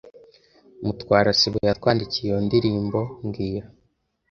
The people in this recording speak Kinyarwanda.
Mutwara sibo yakwandikiye iyo ndirimbo mbwira